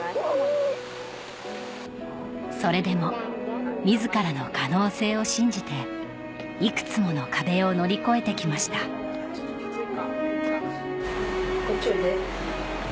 それでも自らの可能性を信じていくつもの壁を乗り越えて来ましたこっちおいで。